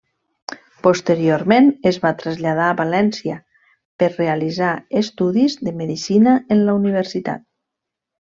Posteriorment es va traslladar a València per realitzar estudis de medicina en la Universitat.